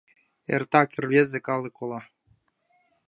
Эртак рвезе калык кола.